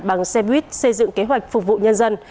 bằng xe buýt xây dựng kế hoạch phục vụ nhân dân